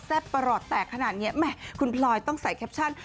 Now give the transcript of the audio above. ประหลอดแตกขนาดนี้แหมคุณพลอยต้องใส่แคปชั่น